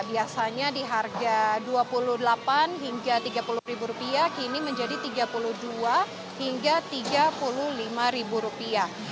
biasanya di harga dua puluh delapan hingga tiga puluh rupiah kini menjadi tiga puluh dua hingga tiga puluh lima rupiah